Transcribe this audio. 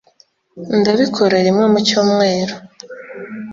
ndabikora rimwe mu cyumweru